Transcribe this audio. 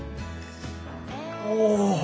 お！